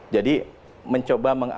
jadi mencoba mengatasi